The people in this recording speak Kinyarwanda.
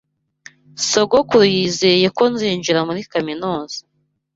Sogokuru yizeye ko nzinjira muri kaminuza.